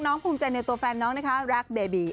ภูมิใจในตัวแฟนน้องนะคะรักเบบี